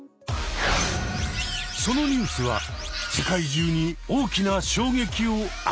そのニュースは世界中に大きな衝撃を与えた。